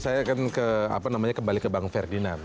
saya akan kembali ke bang ferdinand